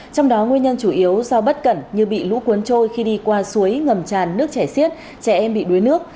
trong đó nguyên nhân chủ yếu do bất cẩn như bị lũ cuốn trôi khi đi qua suối ngầm tràn nước chảy xiết trẻ em bị đuối nước